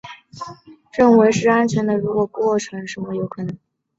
如果所有过程有可能完成执行被认为是安全的。